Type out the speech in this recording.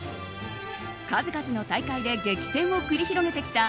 数々の大会で激戦を繰り広げてきた